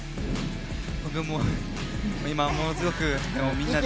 僕も、今、ものすごく、みんなで。